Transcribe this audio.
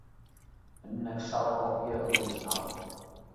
Annexar la còpia a l'original.